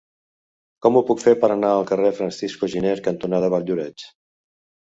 Com ho puc fer per anar al carrer Francisco Giner cantonada Valldoreix?